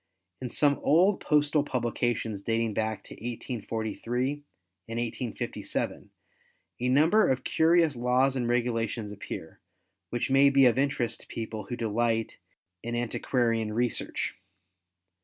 —In some old postal publications dating back to 1843 and 1857, a number of curious laws and regulations appear which may be of interest to people who delight in antiquarian research.